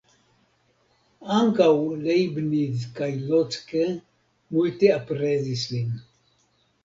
Ankaŭ Leibniz kaj Locke multe aprezis lin.